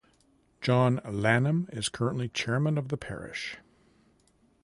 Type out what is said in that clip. John Lanham is currently Chairman of the Parish.